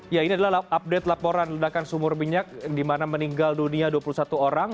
ya ini adalah update laporan ledakan sumur minyak di mana meninggal dunia dua puluh satu orang